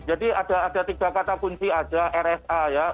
jadi ada tiga kata kunci aja rsa ya